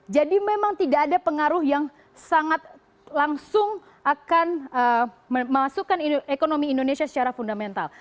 jadi memang tidak ada pengaruh yang sangat langsung akan memasukkan ekonomi indonesia secara fundamental